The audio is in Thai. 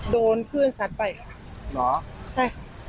โดนพื้นสัตว์ไปค่ะ